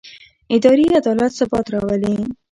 اداري عدالت ثبات راولي